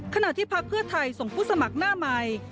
ขณะที่พักเพื่อไทยส่งผู้สมัครหน้าใหม่